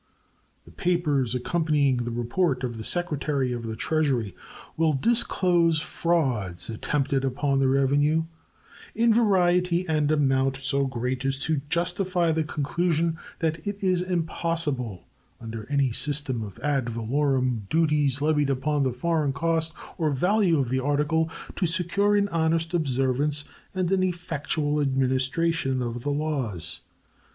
The papers accompanying the report of the Secretary of the Treasury will disclose frauds attempted upon the revenue, in variety and amount so great as to justify the conclusion that it is impossible under any system of ad valorem duties levied upon the foreign cost or value of the article to secure an honest observance and an effectual administration of the laws.